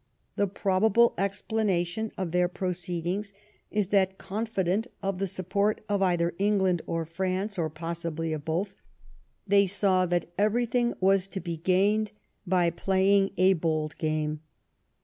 The probable explanation of their proceedings is that, con ' fident of the support of either England or France, or possibly of both, they saw that everything was to be gained by playing a bold game.